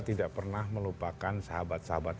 tidak pernah melupakan sahabat sahabat